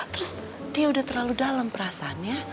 terus dia udah terlalu dalam perasaannya